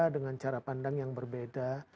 dengan cara pandang yang berbeda